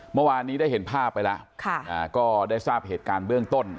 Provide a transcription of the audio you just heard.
เมื่อวานนี้ได้เห็นภาพไปแล้วก็ได้ทราบเหตุการณ์เบื้องต้น